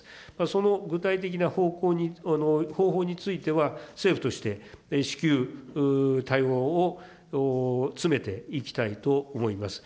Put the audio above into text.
その具体的な方法については、政府として至急、対応を詰めていきたいと思います。